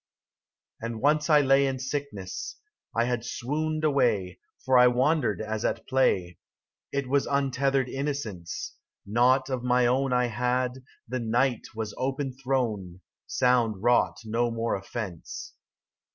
And once I lay In sickness ; I had swooned away, For I wandered as at play ; It was untethered innocence : Naught of my own I had, the night was open thrown, Sound wrought no more offence.